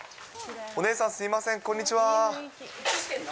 お姉さん、すみません、こんにち映してんの？